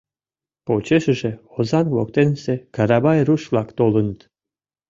Почешыже Озаҥ воктенысе Карабай руш-влак толыныт